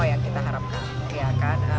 yang kita harapkan